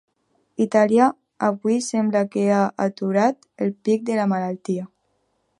Itàlia avui sembla que ha aturat el pic de la malaltia.